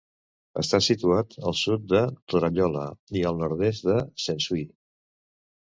Està situat al sud de Torallola i al nord-est de Sensui.